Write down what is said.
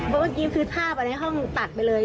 ผมคิดว่าท่าไปตัดไปเลย